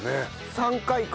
３回か。